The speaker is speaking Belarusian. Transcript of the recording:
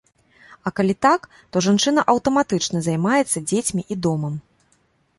А калі так, то жанчына аўтаматычна займаецца дзецьмі і домам.